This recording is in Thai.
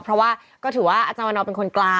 เพราะว่าก็ถือว่าอาจารย์วันนอเป็นคนกลาง